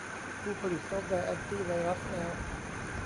ผู้ผลิตซอฟต์แวร์แอนตี้ไวรัสแล้ว